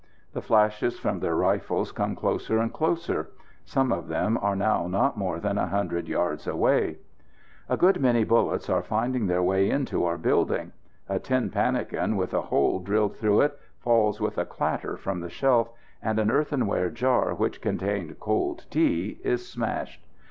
The flashes from their rifles come closer and closer; some of them are now not more than 100 yards away. A good many bullets are finding their way into our building. A tin pannikin, with a hole drilled through it, falls with a clatter from the shelf, and an earthenware jar which contained cold tea is smashed.